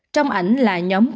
trong ảnh là nhóm cắt lửa